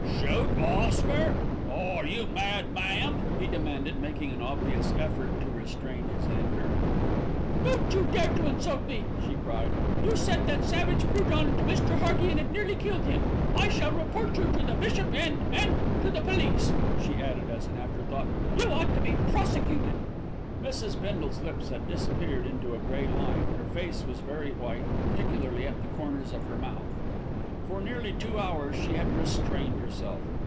"Shoot Oscar! Are you mad, ma'am?" he demanded, making an obvious effort to restrain his anger. "Don't you dare to insult me," she cried. "You set that savage brute on to Mr. Hearty and it nearly killed him. I shall report you to the bishop and and to the police," she added as an after thought. "You ought to be prosecuted." Mrs. Bindle's lips had disappeared into a grey line, her face was very white, particularly at the corners of the mouth. For nearly two hours she had restrained herself.